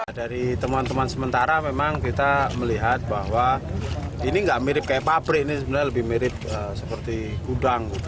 hanif menilai hal ini tidak mirip dengan pabrik ini lebih mirip dengan gudang